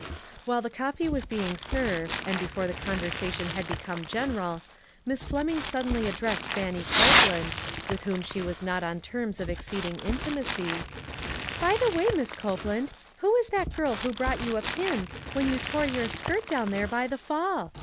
While the coffee was being served, and before the conversation had become general, Miss Fleming suddenly addressed Fannie Copeland, with whom she was not on terms of exceeding intimacy: " By the wa}r, Miss Copeland, who is that girl who brought you a pin when you tore your skirt down there by the fall?